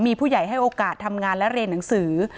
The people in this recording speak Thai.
มีผู้ใหญ่ให้โอกาสทำงานและเรียนหนังสือ